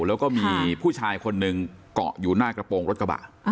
แล้วก็มีผู้ชายคนหนึ่งเกาะอยู่หน้ากระโปรงรถกระบะ